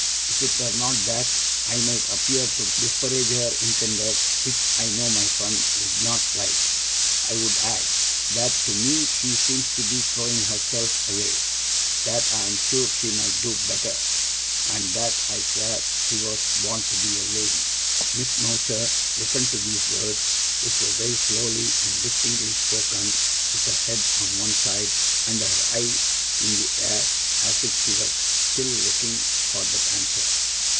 If it were not that I might appear to disparage her Intended, which I know my friend would not like, I would add, that to me she seems to be throwing herself away; that I am sure she might do better; and that I swear she was born to be a lady.' Miss Mowcher listened to these words, which were very slowly and distinctly spoken, with her head on one side, and her eye in the air as if she were still looking for that answer.